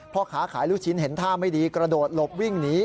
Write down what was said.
พ่อค้าขายลูกชิ้นเห็นท่าไม่ดีกระโดดหลบวิ่งหนี